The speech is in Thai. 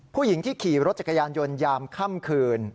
ผู้หญิงที่ขี่รถจักรยานยนต์ยามค่ำคืน